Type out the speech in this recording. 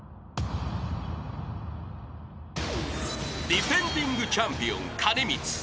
［ディフェンディングチャンピオン兼光］